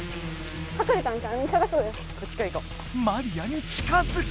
マリアに近づく！